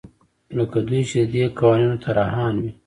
لکه دوی چې د دې قوانینو طراحان وي.